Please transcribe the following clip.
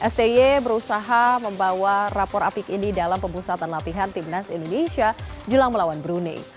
sty berusaha membawa rapor apik ini dalam pemusatan latihan timnas indonesia jelang melawan brunei